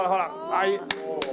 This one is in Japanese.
はい。